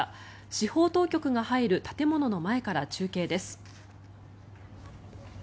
司法当局が入る建物の前から中継です。